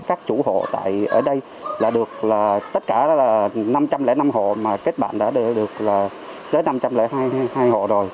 các chủ hộ ở đây là được tất cả là năm trăm linh năm hộ mà kết bạn đã được tới năm trăm linh hai hộ rồi